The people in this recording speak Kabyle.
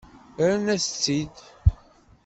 Rrant-as-tt-id.